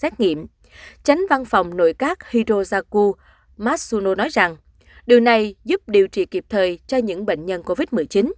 tránh văn phòng nội các hirozaku massono nói rằng điều này giúp điều trị kịp thời cho những bệnh nhân covid một mươi chín